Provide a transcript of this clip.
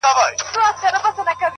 جهاني غزل دي نوی شرنګ اخیستی-